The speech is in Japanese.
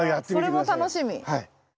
それも楽しみ。